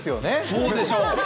そうでしょう。